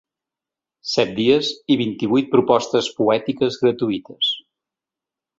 Set dies i vint-i-vuit propostes poètiques gratuïtes.